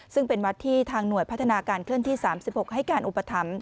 ซึ่งเป็นวัดที่ทางหน่วยพัฒนาการเคลื่อนที่๓๖ให้การอุปถัมภ